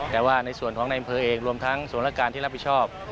แต่ว่าในส่วนของในพื้นที่เองรวมทั้งส่วนรักการที่รับผิชอบ